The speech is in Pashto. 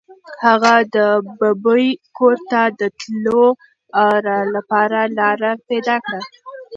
هغه د ببۍ کور ته د تللو لپاره لاره پیدا کړه.